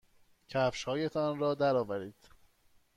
کفشهایتان را درآورید.